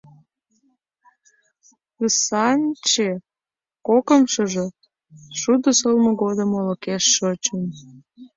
Пысанче — кокымшыжо, шудо солымо годым олыкеш шочын.